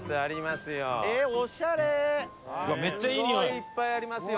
すごいいっぱいありますよ。